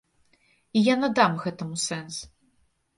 І я надам гэтаму сэнс.